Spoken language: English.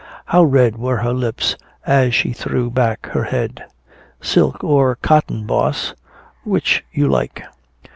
How red were her lips as she threw back her head.... "Silk or cotton, boss? Which you like?"